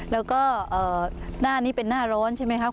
แล้วก็หน้านี้เป็นหน้าร้อนใช่ไหมครับ